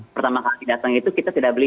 pertama kali datang itu kita tidak beli